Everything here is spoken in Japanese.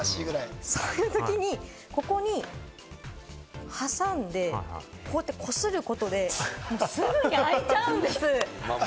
そういうときに、ここに挟んでこうやって擦ることで、すぐに開いちゃうんです！